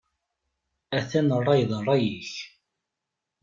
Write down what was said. Atan rray d rray-ik.